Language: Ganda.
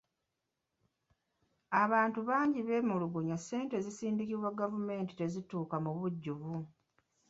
Abantu bangi beemulugunya ssente ezisindikibwa gavumenti tezituuka mu bujjuvu.